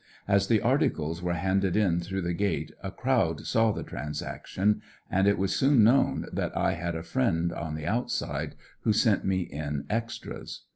As the articles were handed in through the gate a crowd saw the transaction, and it was soon known that I 60 ANDER80NVILLE DIABY. had a friend on tlie outside who sent me in extras.